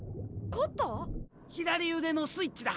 左腕のスイッチだ。